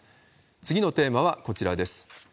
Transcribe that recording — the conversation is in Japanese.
次のテーマはこちらです。